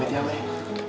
aku mau pergi